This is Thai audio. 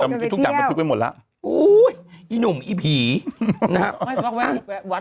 แต่มันทุกอย่างมันชุดไปหมดแล้วอุ้ยอีหนุ่มอีผีนะครับ